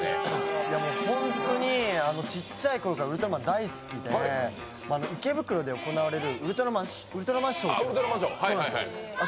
本当にちっちゃいころからウルトラマン大好きで池袋で行われるウルトラマンショーあ